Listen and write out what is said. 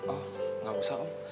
oh gak usah om